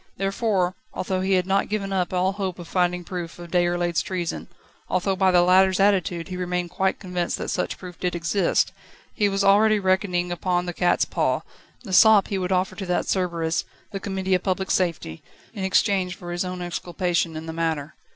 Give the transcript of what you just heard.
Therefore, although he had not given up all hope of finding proofs of Déroulède's treason, although by the latter's attitude he remained quite convinced that such proof did exist, he was already reckoning upon the cat's paw, the sop he would offer to that Cerberus, the Committee of Public Safety, in exchange for his own exculpation in the matter.